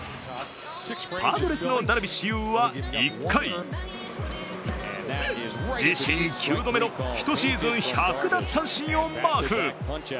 パドレスのダルビッシュ有は１回、自身９度目の１シーズン１００奪三振をマーク。